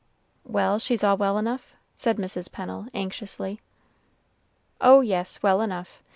"Well, she's all well enough?" said Mrs. Pennel, anxiously. "Oh, yes, well enough.